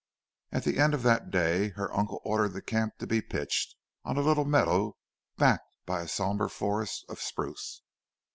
At the end of that day her uncle ordered the camp to be pitched on a little meadow backed by a sombre forest of spruce.